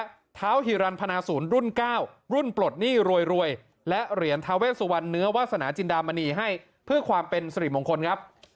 และเท้าฮิรันพนาศูนย์รุ่น๙รุ่นปลดหนี้รวยและเหรียญทาเวสุวรรณเนื้อวาสนาจินดามณีให้เพื่อความเป็นสริมงคลครับ